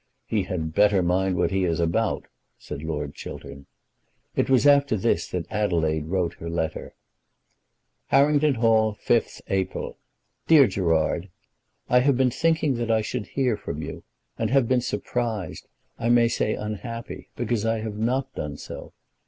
"He had better mind what he is about," said Lord Chiltern. It was after this that Adelaide wrote her letter: Harrington Hall, 5th April. DEAR GERARD, I have been thinking that I should hear from you, and have been surprised, I may say unhappy, because I have not done so.